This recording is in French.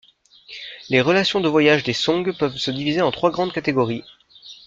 Les relations de voyage des Song peuvent se diviser en trois grandes catégories.